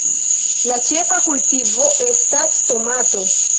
La ĉefa kultivo estas tomato.